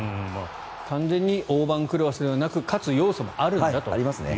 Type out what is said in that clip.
完全に大番狂わせではなく勝つ要素もあるんだと。